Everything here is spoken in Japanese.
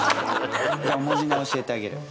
じゃあおまじない教えてあげる。